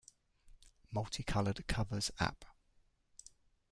Multicolored covers, app.